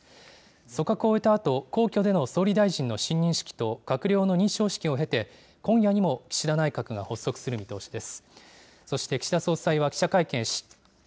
組閣を終えたあと、皇居での総理大臣の親任式と閣僚の認証式を経て、今夜にも岸田内閣が発足する見通しです。